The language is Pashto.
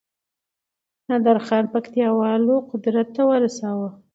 نادرخان پکتياوالو قدرت ته ورساوه